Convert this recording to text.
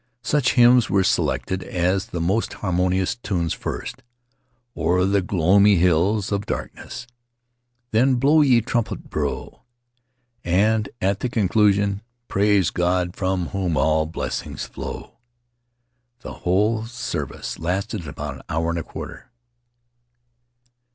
Such hymns were selected as had the most harmonious tunes — first, "O'er the Gloomy Hills of Darkness"; then, "Blow Ye the Trumpet, Blow"; and at the conclusion, "Praise God, from Whom All Blessings Flow." ... The whole service lasted about an hour and a quarter.